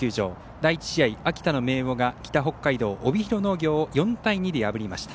第１試合、秋田の明桜が北北海道、帯広農業を４対２で破りました。